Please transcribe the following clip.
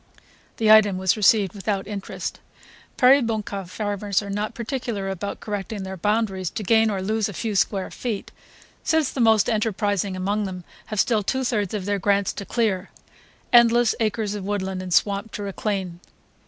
The item was received without interest. Peribonka farmers are not particular about correcting their boundaries to gain or lose a few square feet, since the most enterprising among them have still two thirds of their grants to clear, endless acres of woodland and swamp to reclaim.